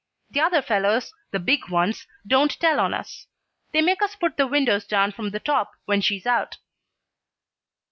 The other fellows, the big ones, don't tell on us. They make us put the windows down from the top when she's out."